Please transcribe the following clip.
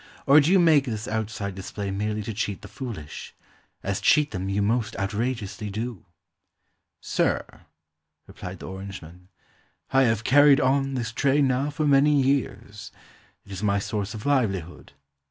Or do you make this outside display merely to cheat the fooHsh? — as cheat them, you most outrageously do." "Sir," replied the orangeman, "I have carried on this trade now for many years. It is my source of livelihood.